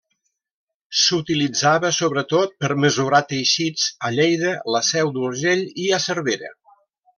S'utilitzava sobretot per mesurar teixits a Lleida, la Seu d'Urgell i a Cervera.